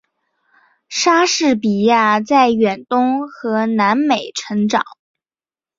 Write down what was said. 莎士比亚在远东和南美成长。